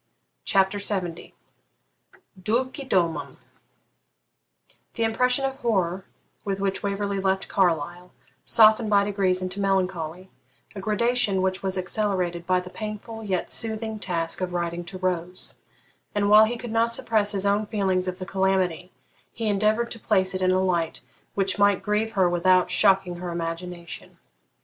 CHAPTER LXX DULCE DOMUM The impression of horror with which Waverley left Carlisle softened by degrees into melancholy, a gradation which was accelerated by the painful yet soothing task of writing to Rose; and, while he could not suppress his own feelings of the calamity, he endeavoured to place it in a light which might grieve her without shocking her imagination.